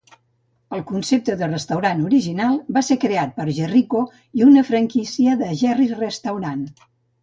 El concepte de restaurant original va ser creat per Jerrico i una franquícia de Jerry's Restaurant.